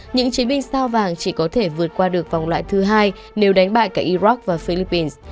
những chiến binh sao vàng chỉ có thể vượt qua được vòng loại thứ hai nếu đánh bại cả iraq và philippines